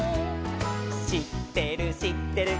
「しってるしってる」